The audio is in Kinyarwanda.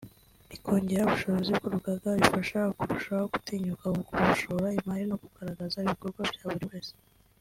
rikongera ubushobozi bw’urugaga bigafasha kurushaho gutinyuka gushora imari no kugaragaza ibikorwa bya buri wese